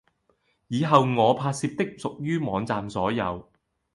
以後我拍攝的屬於網站所有